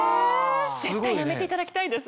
絶対やめていただきたいです。